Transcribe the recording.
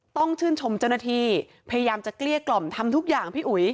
ต้องชื่นชมเจ้าหน้าที่พยายามจะเกลี้ยกล่อมทำทุกอย่างพี่อุ๋ย